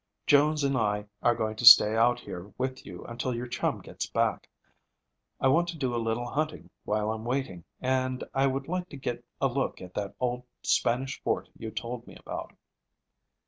Jones and I are going to stay out here with you until your chum gets back. I want to do a little hunting while I'm waiting, and I would like to get a look at that old Spanish fort you told me about."